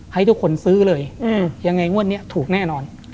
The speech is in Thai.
ให้ทุกคนซื้อเลยยังไงงวดนี้ถูกแน่นอน